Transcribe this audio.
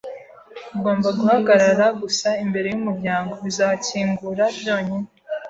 Ugomba guhagarara gusa imbere yumuryango. Bizakingura byonyine.